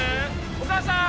お母さん！